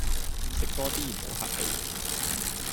食多啲，唔好客氣